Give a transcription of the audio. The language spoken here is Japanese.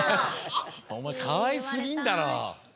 おまえかわいすぎんだろ。